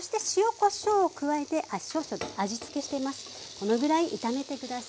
このぐらい炒めて下さい。